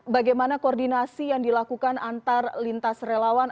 bagaimana koordinasi yang dilakukan antar lintas relawan